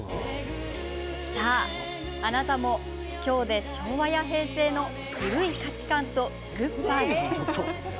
さあ、あなたも今日で昭和や平成の古い価値観とグッバイ。